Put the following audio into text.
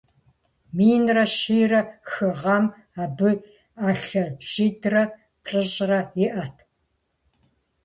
Минрэ щийрэ хы гъэм абы ӏэлъэ щитӏрэ плӏыщӏрэ иӏэт.